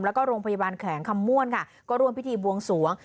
แล้วก็โรงพยาบาลแขลงคำม่วนค่ะก็ร่วมพิธีบวงสวง